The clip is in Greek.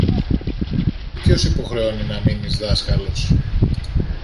Και ποιος σε υποχρεώνει να μείνεις δάσκαλος;